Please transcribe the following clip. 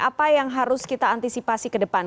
apa yang harus kita antisipasi ke depan